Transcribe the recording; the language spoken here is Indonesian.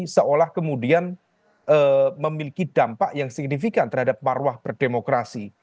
seolah kemudian memiliki dampak yang signifikan terhadap marwah berdemokrasi